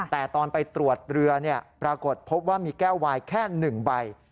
แต่ตอนไปตรวจเรือปรากฏพบว่ามีแก้ววายแค่๑ใบ